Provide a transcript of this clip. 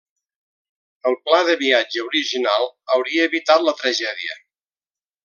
El pla de viatge original hauria evitat la tragèdia.